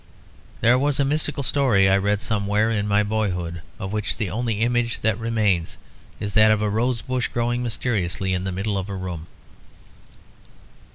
There was a mystical story I read somewhere in my boyhood, of which the only image that remains is that of a rose bush growing mysteriously in the middle of a room.